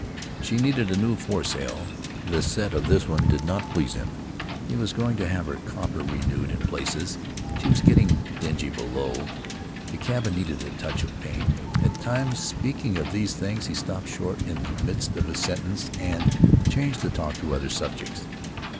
... She needed a new foresail; the set of this one did not please him; he was going to have her copper renewed in places; she was getting dingy below; the cabin needed a touch of paint. At times, speaking of these things, he stopped short in the midst of a sentence and changed the talk to other subjects.